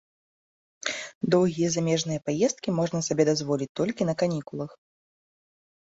Доўгія замежныя паездкі можна сабе дазволіць толькі на канікулах.